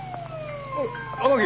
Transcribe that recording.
おい天樹。